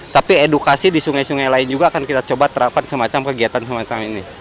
tapi edukasi di sungai sungai lain juga akan kita coba terapkan semacam kegiatan semacam ini